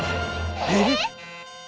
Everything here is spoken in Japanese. えっ？